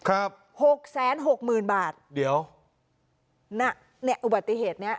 หกแสนหกหมื่นบาทเดี๋ยวน่ะเนี้ยอุบัติเหตุเนี้ย